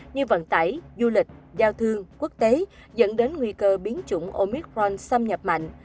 như vận tải du lịch giao thương quốc tế dẫn đến nguy cơ biến chủng omicron xâm nhập mạnh